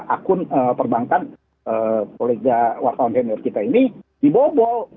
akun perbankan kolega wartawan senior kita ini dibobol